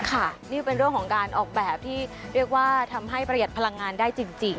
ค่ะนี่เป็นเรื่องของการออกแบบที่เรียกว่าทำให้ประหยัดพลังงานได้จริง